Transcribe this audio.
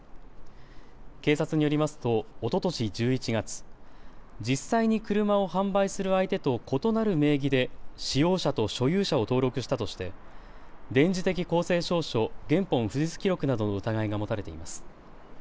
警察によりますとおととし１１月、実際に車を販売する相手と異なる名義で使用者と所有者を登録したとして電磁的公正証書原本不実記録などの疑いが持たれています。